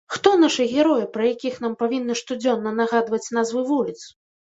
Хто нашы героі, пра якіх нам павінны штодзённа нагадваць назвы вуліц?